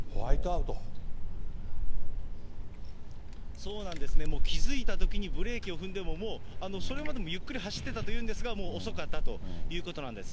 そうなんですね、もう気付いたときにブレーキを踏んでも、もう、それまでもゆっくり走ってたというんですが、もう遅かったということなんです。